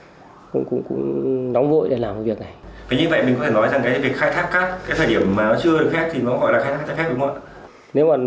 vì như vậy mình có thể nói rằng cái khai thác cát cái thời điểm mà nó chưa được phép thì nó gọi là khai thác cát phép đúng không ạ